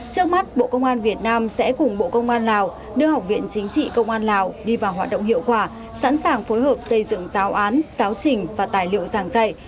trước mắt bộ công an việt nam sẽ cùng bộ công an lào đưa học viện chính trị công an lào đi vào hoạt động hiệu quả sẵn sàng phối hợp xây dựng giáo án giáo trình và tài liệu giảng dạy